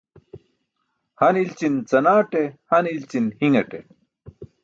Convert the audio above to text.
Han i̇lćin canaṭe, han i̇lći̇n hi̇ṅate.